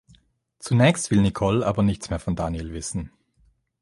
Zunächst will Nicole aber nichts mehr von Daniel wissen.